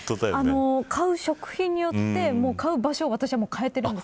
買う食品によって買う場所を私は変えています。